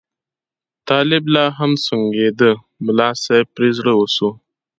طالب لا هم سونګېده، ملا صاحب پرې زړه وسو.